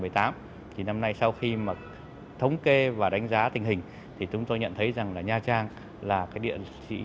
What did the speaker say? thì năm nay sau khi mà thống kê và đánh giá tình hình thì chúng tôi nhận thấy rằng là nha trang là cái địa chỉ